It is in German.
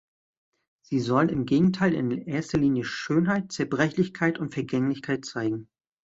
Sie sollen im Gegenteil in erster Linie Schönheit, Zerbrechlichkeit und Vergänglichkeit zeigen.